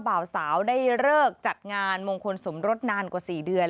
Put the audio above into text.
บ่าวสาวได้เลิกจัดงานมงคลสมรสนานกว่า๔เดือน